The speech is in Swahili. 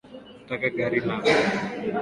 Nataka gari lako